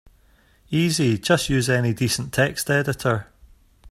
Easy, just use any decent text editor.